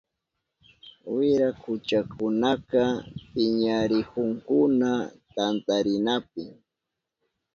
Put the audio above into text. Wirakuchakunaka piñanakuhunkuna tantarinapi.